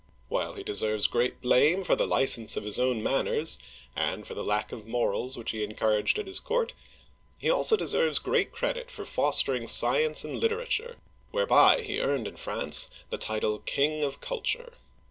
While he deserves great blame for the license of his own manners, and for the lack of morals which he encouraged at his court, he also deserves great credit for fostering science and literature, whereby he earned in France the title " King of Culture."